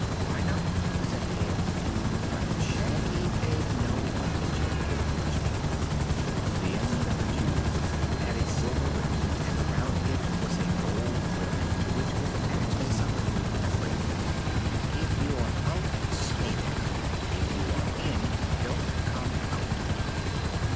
"Why not?" said Ann; but Shaggy paid no attention to the question. This end of the Tube had a silver rim and around it was a gold railing to which was attached a sign that read. "IF YOU ARE OUT, STAY THERE. IF YOU ARE IN, DON'T COME OUT."